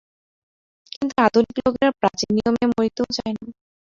কিন্তু আধুনিক লোকেরা প্রাচীন নিয়মে মরিতেও চায় না।